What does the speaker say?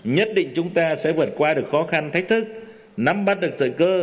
nhất định chúng ta sẽ vượt qua được khó khăn thách thức nắm bắt được thời cơ